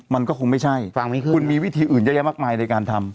มันก็คงไม่ใช่ฟังไม่ขึ้นคุณมีวิธีอื่นเยอะแยะมากมายในการทำ